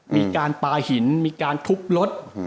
มีการปลาหินมีการทุบรถ